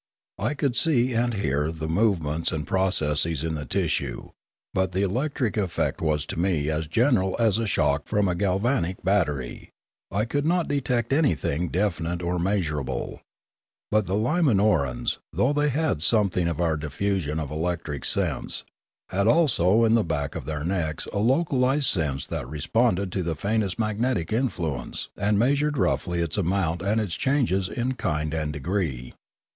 I could see and hear the move ments and processes in the tissue, but the electric effect was to me as general as a shock from a galvanic battery ; I could not detect anything definite or measur able. But the Limatiorans, though they had something of our diffusion of electric sense, had also in the back of their necks a localised sense that responded to the faintest magnetic influence and measured roughly its amount and its changes in kind and degree.